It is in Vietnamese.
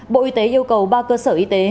bộ y tế yêu cầu ba cơ sở y tế